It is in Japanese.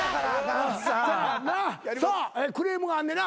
さあクレームがあんねんな。